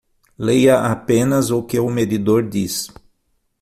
Leia apenas o que o medidor diz.